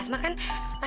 asma bukan pemenang kuis